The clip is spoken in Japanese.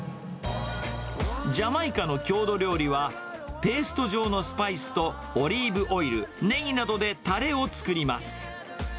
ジャマイカの郷土料理は、ペースト状のスパイスとオリーブオイル、ネギなどでたれを作ります。